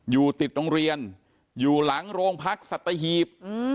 อยู่ติดโรงเรียนอยู่หลังโรงพักสัตหีบ